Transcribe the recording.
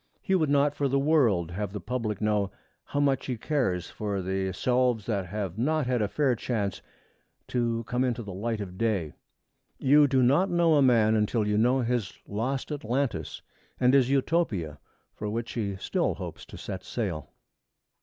He would not for the world have the public know how much he cares for the selves that have not had a fair chance to come into the light of day. You do not know a man until you know his lost Atlantis, and his Utopia for which he still hopes to set sail.